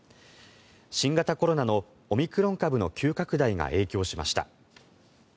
新型コロナのオミクロン株の急拡大が影響しました。